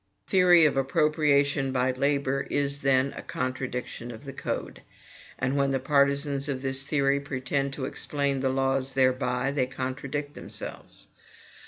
The theory of appropriation by labor is, then, a contradiction of the Code; and when the partisans of this theory pretend to explain the laws thereby, they contradict themselves.